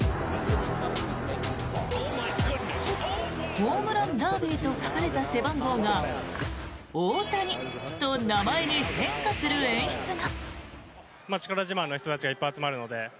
ホームランダービーと書かれた背番号が大谷と名前に変化する演出が。